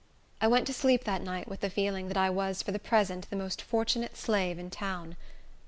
I went to sleep that night with the feeling that I was for the present the most fortunate slave in town.